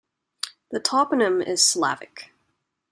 The toponym is Slavic.